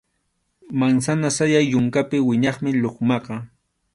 Mansana sayay yunkapi wiñaqmi lukmaqa.